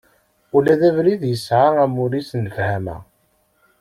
Ula d abrid, yesɛa amur-is n lefhama.